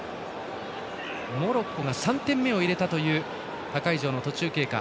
モロッコが３点目を入れたという他会場の途中経過。